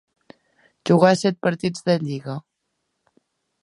Jugà set partits de lliga.